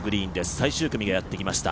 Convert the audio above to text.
最終組がやってきました。